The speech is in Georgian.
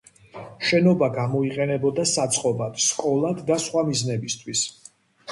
შენობა გამოიყენებოდა საწყობად, სკოლად და სხვა მიზნებისთვის.